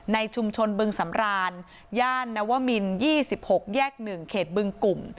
ในชุมชนบึงสำรานย่านนวมิน๒๖แยก๑เขตบึงกลุ่ม